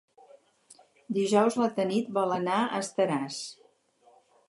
Dijous na Tanit vol anar a Estaràs.